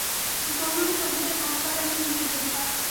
জরুরি রোগীদের হাসপাতালে নিতে দেরি হয়।